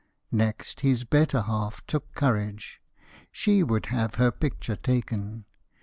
Next, his better half took courage; She would have her picture taken.